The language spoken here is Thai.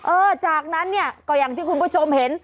เออจากนั้นอย่างที่คุณผู้ชมได้เห็น